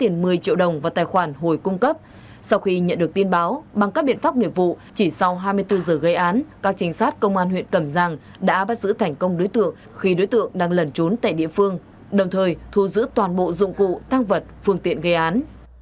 chuyển một mươi triệu đồng vào tài khoản hồi cung cấp sau khi nhận được tin báo bằng các biện pháp nghiệp vụ chỉ sau hai mươi bốn giờ gây án các trinh sát công an huyện cẩm giang đã bắt giữ thành công đối tượng khi đối tượng đang lẩn trốn tại địa phương đồng thời thu giữ toàn bộ dụng cụ thang vật phương tiện gây án